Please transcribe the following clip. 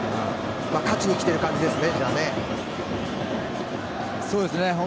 勝ちにきている感じですね。